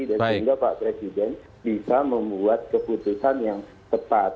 dan sehingga pak presiden bisa membuat keputusan yang tepat